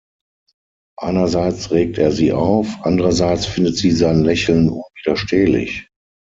Einerseits regt er sie auf, andererseits findet sie sein Lächeln unwiderstehlich.